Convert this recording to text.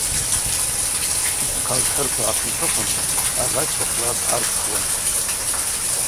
Йтхъаз хӏырква гӏахъынхӏвыхын агъа щтахьла дгӏарцхуан.